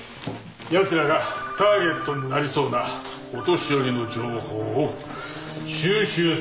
奴らがターゲットになりそうなお年寄りの情報を収集する。